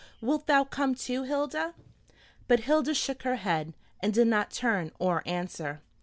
Wilt thou come too, Hilda?" But Hilda shook her head, and did not turn or answer.